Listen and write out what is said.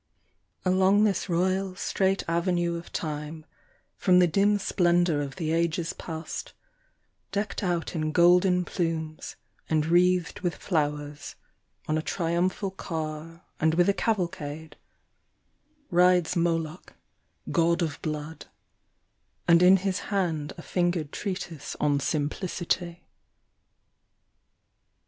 Along this royal straight avenue of Time, Prom the dim splendour of the ages past, — Deck'd out m golden plumes, and wreathed with flowers, ( )n ;i triumphal car, and with a cavalcade, Elides Moloch, God of Blood: And in Ins hand ;i fingered treatise on Simplicity.